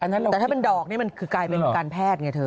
แต่ถ้าเป็นดอกนี่มันคือกลายเป็นการแพทย์ไงเธอ